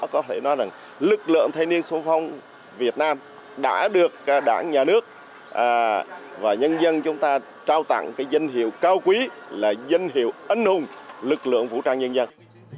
có thể nói rằng lực lượng thanh niên sung phong việt nam đã được đảng nhà nước và nhân dân chúng ta trao tặng cái danh hiệu cao quý là danh hiệu ân hùng lực lượng vũ trang nhân dân